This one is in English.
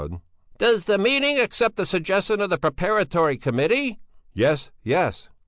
"Does the meeting accept the suggestion of the Preparatory Committee?" "Yes! Yes!"